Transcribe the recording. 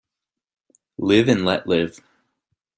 Live and let live